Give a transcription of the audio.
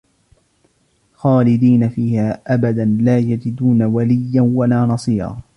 خَالِدِينَ فِيهَا أَبَدًا لَا يَجِدُونَ وَلِيًّا وَلَا نَصِيرًا